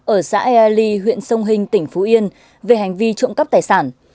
ở xã eali huyện sông hình tỉnh phú yên về hành vi trộm cắp tài sản